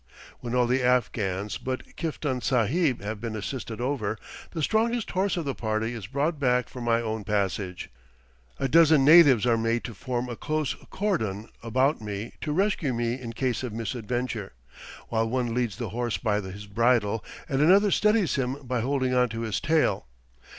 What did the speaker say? When all the Afghans but Kiftan Sahib have been assisted over, the strongest horse of the party is brought back for my own passage. A dozen natives are made to form a close cordon about me to rescue me in case of misadventure, while one leads the horse by his bridle and another steadies him by holding on to his tail.